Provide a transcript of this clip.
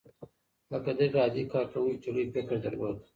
لکه دغې عادي کارکوونکې چې لوی فکر درلود.